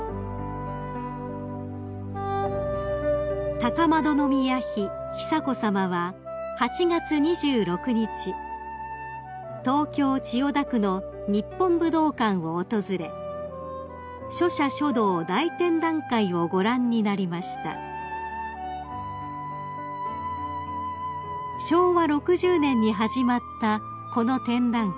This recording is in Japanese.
［高円宮妃久子さまは８月２６日東京千代田区の日本武道館を訪れ書写書道大展覧会をご覧になりました］［昭和６０年に始まったこの展覧会］